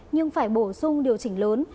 nhưng phải bổ sung điều chỉnh lớn